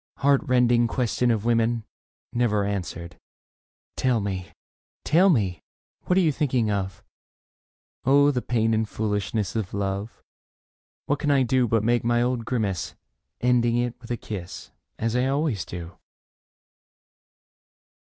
Heart rending question of women — never answered " Tell me, tell me, what are you thinking of r " Oh, the pain and fooHshness of love ! What can I do but make my old grimace, Ending it with a kiss, as I always do